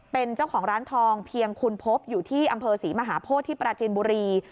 เป็นเจ้าของร้านทองเพียงคุณพบอยู่ที่อำเภอศรีมหาโพธิที่ปราจินบุรี